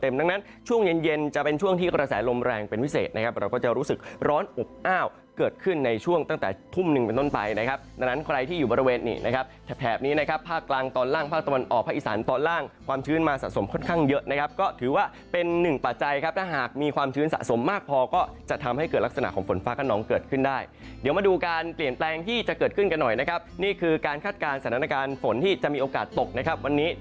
ฝั่งตอนล่างฝั่งตะวันออกฝั่งอีสานตอนล่างความชื้นมาสะสมค่อนข้างเยอะนะครับก็ถือว่าเป็นหนึ่งปัจจัยครับถ้าหากมีความชื้นสะสมมากพอก็จะทำให้เกิดลักษณะของฝนฟ้ากับน้องเกิดขึ้นได้เดี๋ยวมาดูการเปลี่ยนแปลงที่จะเกิดขึ้นกันหน่อยนะครับนี่คือการคาดการณ์สถานการณ์ฝนที่จะมีโอกาสตกนะคร